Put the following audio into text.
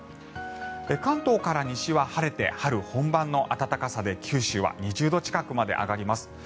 関東から西は晴れて春本番の暖かさで九州は２０度近くまで上がります。